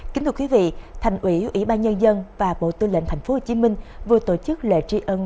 kính thưa quý vị thành ủy ủy ban nhân dân và bộ tư lệnh tp hcm vừa tổ chức lễ tri ân